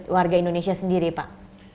warga indonesia sendiri pak